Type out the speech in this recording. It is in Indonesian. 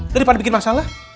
daripada bikin masalah